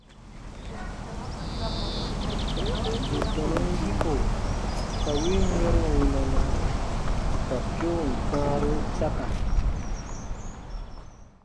Bù tɔnun yiko ka win yɛ̃ru wunana, ka keun kpãarun saka.